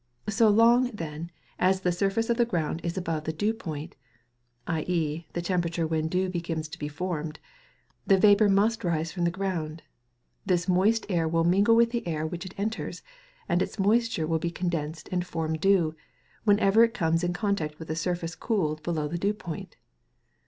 So long, then, as the surface of the ground is above the dew point (i.e. the temperature when dew begins to be formed), vapour must rise from the ground; this moist air will mingle with the air which it enters, and its moisture will be condensed and form dew, whenever it comes in contact with a surface cooled below the dew point.